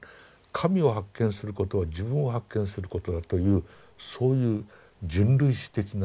神を発見することは自分を発見することだというそういう人類史的なね